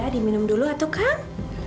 diminum dulu atuh kang